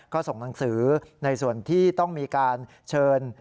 ก็ส่งหนังสือในส่วนที่ต้องมีการเชิญ